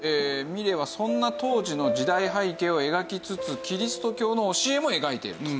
ミレーはそんな当時の時代背景を描きつつキリスト教の教えも描いていると。